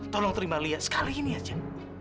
tolong terima lia sekali ini aja